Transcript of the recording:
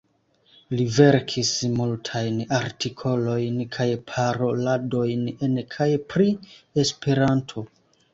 Li verkis multajn artikoloj kaj paroladojn en kaj pri Esperanto.